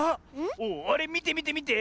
おおあれみてみてみて。